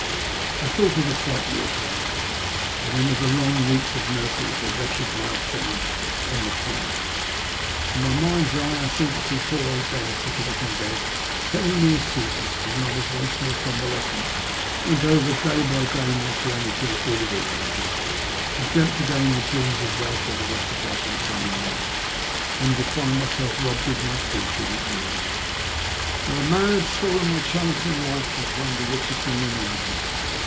I thought of the , fight we had had, and then of the long weeks of nursing at the wretched Mail Change on the plains. In my mind's eye I seemed to see poor old Ben sitting up in bed telling me his secret, and when I was once more convalescent, went over, day by day, my journey to the Boolga Banges, and dreamt again the dreams of wealth that had occupied my brain then, only to find myself robbed of my fortune at the end. Now the man who had stolen my chance in life was one of the richest men in England.